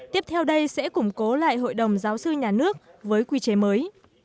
tiếp theo đây sẽ củng cố lại hội đồng giáo sư nhà nước với quy chế mới